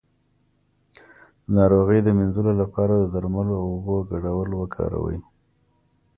د ناروغۍ د مینځلو لپاره د درملو او اوبو ګډول وکاروئ